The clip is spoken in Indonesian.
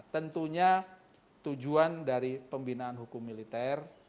tentunya tujuan dari pembinaan hukum militer